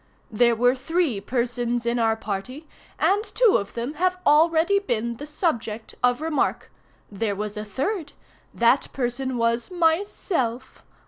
There were three persons in our party, and two of them have already been the subject of remark. There was a third—that person was myself.